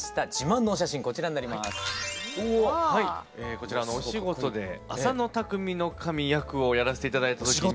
こちらお仕事で浅野内匠頭役をやらせて頂いた時に。